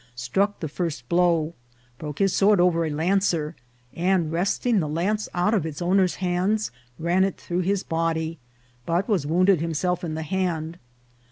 struck the first blow, broke his sword over a lancer, and, wresting the lance out of its owner's hands, ran it through his body, but was wounded himself in the hand.